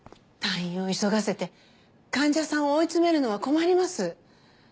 退院を急がせて患者さんを追い詰めるのは困ります。